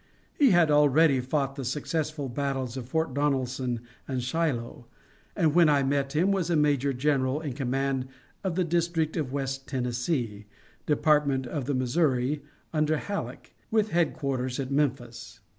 He had already fought the successful battles of Fort Donelson and Shiloh, and, when I met him, was a major general in command of the district of West Tennessee, Department of the Missouri, under Halleck, with headquarters at Memphis.